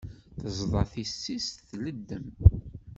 Teẓḍa tissist tleddem.